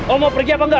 oh mau pergi apa enggak